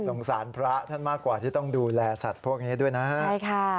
สารพระท่านมากกว่าที่ต้องดูแลสัตว์พวกนี้ด้วยนะฮะใช่ค่ะ